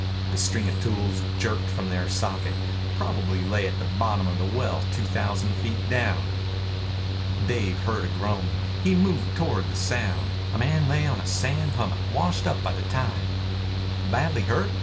The string of tools, jerked from their socket, probably lay at the bottom of the well two thousand feet down. Dave heard a groan. He moved toward the sound. A man lay on a sand hummock, washed up by the tide. "Badly hurt?"